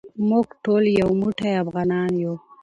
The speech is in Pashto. موږ ټول یو موټی افغانان یو.